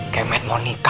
kemet monik kabu